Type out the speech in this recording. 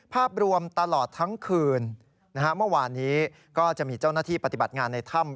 ภาพรวมตลอดทั้งคืนเมื่อวานนี้ก็จะมีเจ้าหน้าที่ปฏิบัติงานในถ้ำ